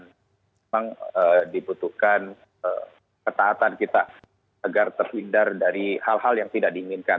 memang dibutuhkan ketaatan kita agar terhindar dari hal hal yang tidak diinginkan